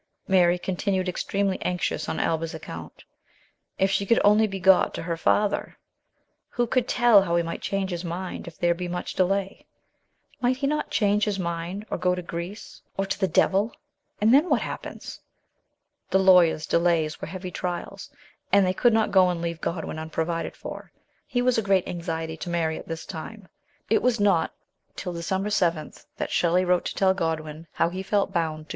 Mary continued extremely anxious on Alba's account. If she could only be got to her father ! Who could tell how he might change his mind if there be much delay ? Might he not " change his mind, or go to Greece, or to the devil; and then what happens?" The lawyers' delays were heavy trials, and they could not go and leave Godwin unprovided for ; he was a great anxiety to Mary at this time. It was not till December 7 that Shelley wrote to tell Godwin how he felt bound to 124 MRS. SHELLEY.